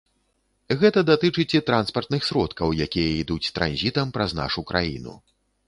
Гэта датычыць і транспартных сродкаў, якія ідуць транзітам праз нашу краіну.